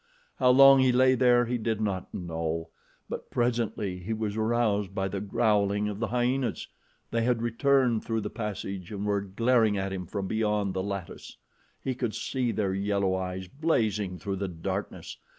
How long he lay there he did not know, but presently he was aroused by the growling of the hyenas. They had returned through the passage and were glaring at him from beyond the lattice. He could see their yellow eyes blazing through the darkness.